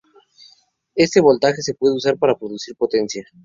Este voltaje se puede usar para producir potencia.